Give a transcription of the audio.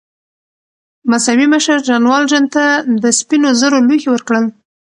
مذهبي مشر ژان والژان ته د سپینو زرو لوښي ورکړل.